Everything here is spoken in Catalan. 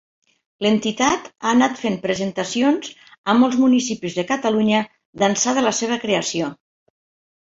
L'entitat ha anat fent presentacions a molts municipis de Catalunya d'ençà de la seva creació.